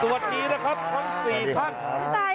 สวัสดีน้องค่ะสวัสดีครับทั้ง๔ท่าน